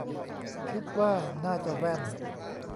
คิดว่าน่าจะแว่น